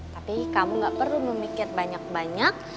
tapi kamu gak perlu memikir banyak banyak